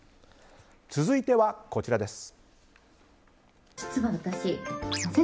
続いては、こちらです。